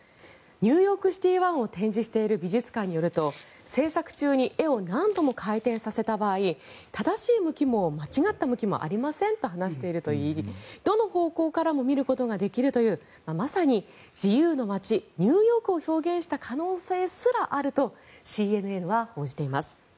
「ニューヨークシティ１」を展示している美術館によると制作中に絵を何度も回転させた場合正しい向きも間違った向きもありませんと話しているといいどの方向からも見ることができるというまさに自由の街、ニューヨークを表現した可能性すらあるとＣＮＮは報じています。